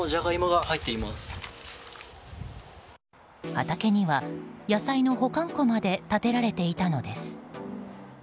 畑には野菜の保管庫まで建てられていたのです。